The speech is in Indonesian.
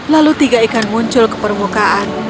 lalu tiga ikan muncul ke permukaan